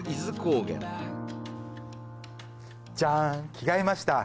着替えました